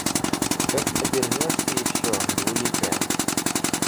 Как обернешься еще, двуликая?